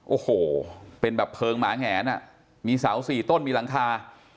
โอ้โหเป็นแบบเพลิงหมาแงนอ่ะมีเสาสี่ต้นมีหลังคา